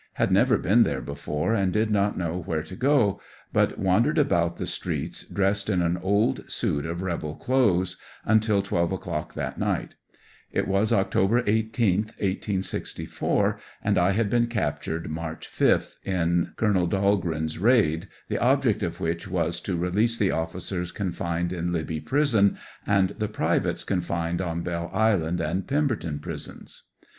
Had never been there before and did not know where to go, but wander ed about the streets, dressed in an old suit of rebel clothes, until 12 o'clock that night. It was Oct. 18th, 1864, and I had been captured March 5th, in Col. Dahlgreen's raid, the object of which was to re lease the officers confined in Libby prison and the privates confined on Belle Island and Pemberton prisons.